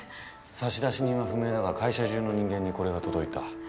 差出人は不明だが会社中の人間にこれが届いた。